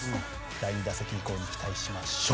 第２打席以降に期待しましょう。